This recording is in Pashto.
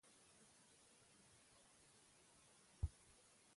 ځوانان د نوی ټکنالوژی د کارولو مخکښان دي.